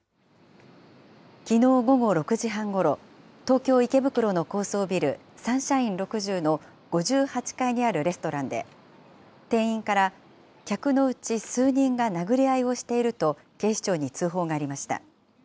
きのう午後６時半ごろ、東京・池袋の高層ビル、サンシャイン６０の５８階にあるレストランで、店員から客のうち数人が殴り合いをしていると、警視庁に通報がありました。